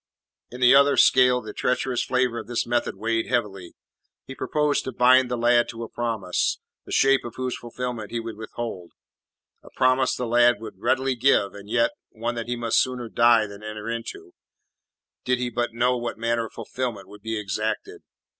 In the other scale the treacherous flavour of this method weighed heavily. He proposed to bind the lad to a promise, the shape of whose fulfilment he would withhold a promise the lad would readily give, and yet, one that he must sooner die than enter into, did he but know what manner of fulfilment would be exacted.